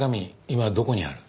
今どこにある？